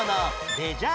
レジャー。